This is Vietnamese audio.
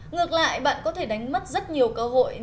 ngược lại bạn có thể đánh mất rất nhiều cơ hội